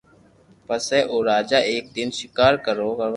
پسي او راجا ايڪ دن ݾڪار ڪروا